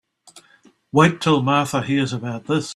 Wait till Martha hears about this.